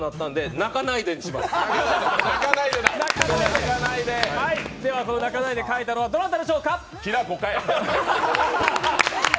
「泣かないで」を書いたのはどなたですか？